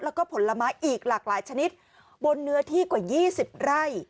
แล้วก็ผลไม้อีกหลากหลายชนิดบนเนื้อที่กว่า๒๐ไร่